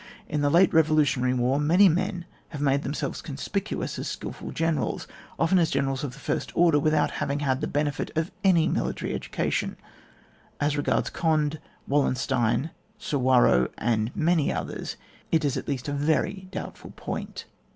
In the late revolu tionary war, many men have made them selves conspicuous as skilful generals, often as generals of the first order, with out having had the benefit of any military education. Ajs regards Cond^, Wallen stein, Suwarrow, and many others, it is at least a very doubtful point.